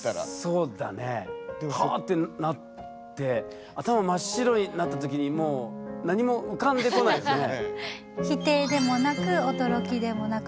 そうだねわってなって頭真っ白になったときにもう何も浮かんでこないですよね。